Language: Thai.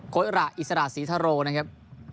อิระอิสระศรีทะโรนะครับ